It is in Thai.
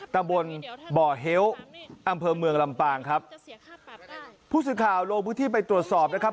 ตะบนบ่อเฮ้ลอำเภอเมืองลำปางครับผู้สึกข่าวโรงพุทธิไปตรวจสอบนะครับ